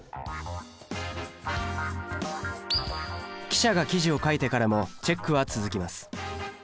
記者が記事を書いてからもチェックは続きます。